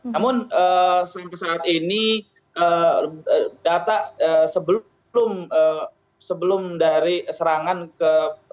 namun sampai saat ini data sebelum dari serangan ke